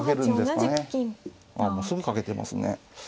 あもうすぐかけてますね。